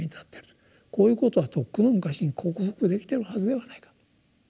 こういうことはとっくの昔に克服できてるはずではないかと。